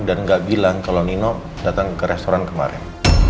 dan gak bilang kalau nino datang ke restoran kemarin